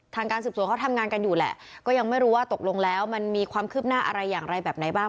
ทางการสืบสวนเขาทำงานกันอยู่แหละก็ยังไม่รู้ว่าตกลงแล้วมันมีความคืบหน้าอะไรอย่างไรแบบไหนบ้าง